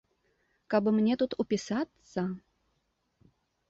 Каб мне тут упісацца.